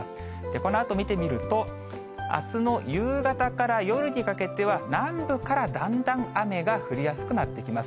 このあと見てみると、あすの夕方から夜にかけては、南部からだんだん雨が降りやすくなってきます。